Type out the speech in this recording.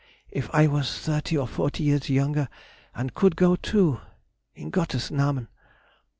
if I was thirty or forty years junger and could go too? in Gottes nahmen!"